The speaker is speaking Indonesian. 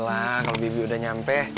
kalau bibi udah nyampe